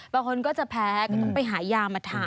บางคนก็จะแพ้ก็ต้องไปหายามาทาน